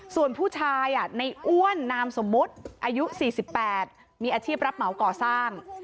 ส่วนผู้ชายอ่ะในอ้วนอายุ๔๘มีอาชีพรับเหมาก่อซ่าน